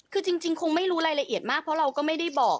คือจริงคงไม่รู้รายละเอียดมากเพราะเราก็ไม่ได้บอก